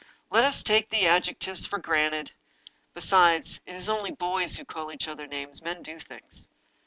" Let us take the adjectives for granted. Besides, it is only boys who call each other names — ^men do things.